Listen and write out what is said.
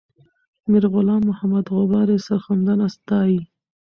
میرغلام محمد غبار یې سرښندنه ستایي.